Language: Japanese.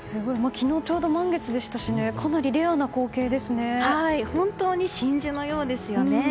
昨日、ちょうど満月でしたし本当に真珠のようですよね。